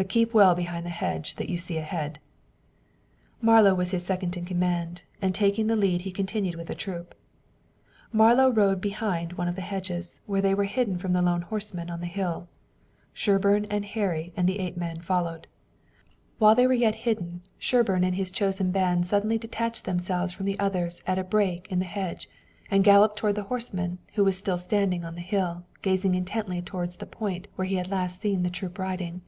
But keep well behind the hedge that you see ahead." Marlowe was his second in command, and taking the lead he continued with the troop. Marlowe rode behind one of the hedges, where they were hidden from the lone horseman on the hill, and Sherburne and Harry and the eight men followed. While they were yet hidden, Sherburne and his chosen band suddenly detached themselves from the others at a break in the hedge and galloped toward the horseman who was still standing on the hill, gazing intently toward the point where he had last seen the troop riding.